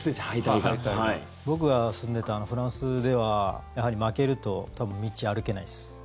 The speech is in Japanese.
僕が住んでたフランスでは負けると道、歩けないです。